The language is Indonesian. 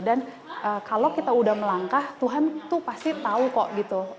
dan kalau kita udah melangkah tuhan itu pasti tahu kok gitu